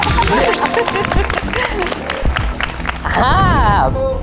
ภาษาหนึ่งร้อยกิโลกรัมครับ